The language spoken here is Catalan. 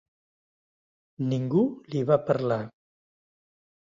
Ningú li va parlar.